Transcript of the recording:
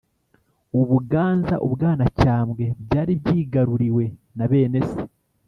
ubuganza, ubwanacyambwe byari byigaruriwe na bene se.